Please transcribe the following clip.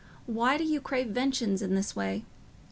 Why do you crave vengeance in this way?